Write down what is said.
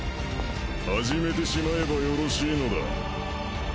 始めてしまえばよろしいのだ。